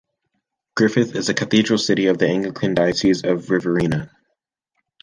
Griffith is the cathedral city of the Anglican Diocese of Riverina.